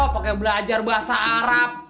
pokoknya belajar bahasa arab